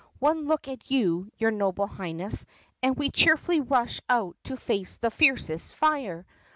One look at you, your Noble Highness, and we cheefully rush out to face the fiercest fire.